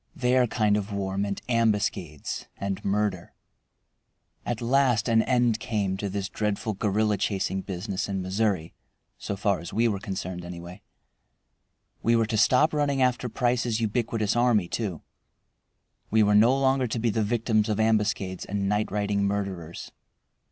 Their kind of war meant ambuscades and murder. At last an end came to this dreadful guerrilla chasing business in Missouri so far as we were concerned, anyway. We were to stop running after Price's ubiquitous army too. We were no longer to be the victims of ambuscades and night riding murderers.